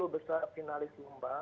sepuluh besar finalis lomba